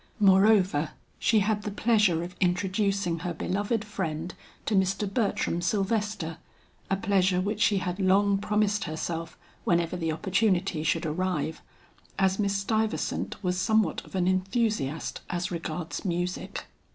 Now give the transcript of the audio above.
Moreover she had the pleasure of introducing her beloved friend to Mr. Bertram Sylvester, a pleasure which she had long promised herself whenever the opportunity should arrive, as Miss Stuyvesant was somewhat of an enthusiast as regards music.